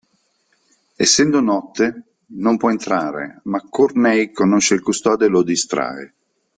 Essendo notte, non può entrare, ma Courtney conosce il custode e lo distrae.